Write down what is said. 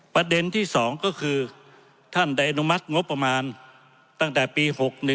ประเด็นที่๒ก็คือท่านได้อนุมัติงบประมาณตั้งแต่ปี๖๑